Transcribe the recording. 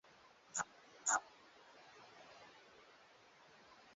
Majina kamili ya wanajeshi hao yamehifadhiwa kwa usalama zaidi.